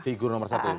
figur nomor satu